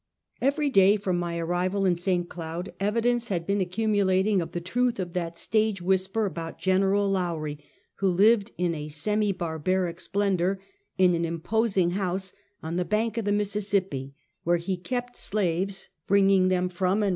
EvEEY day, from my arrival in St. Cloud, evidence had been accumulating of the truth of that stage whis per about Gen. Lowrie, who lived in a semi barbaric splendor, in an imposing house on the bank of the Mis sissippi, where he kept slaves, bringing them from and 173 Half a Century.